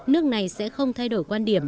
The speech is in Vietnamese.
nước này sẽ không thay đổi quan điểm